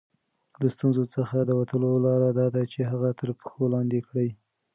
له ستونزو څخه د وتلو لاره دا ده چې هغه تر پښو لاندې کړئ.